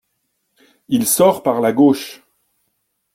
Il sort par la gauche.